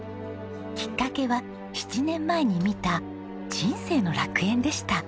きっかけは７年前に見た『人生の楽園』でした。